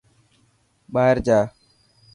ٻاهر جا.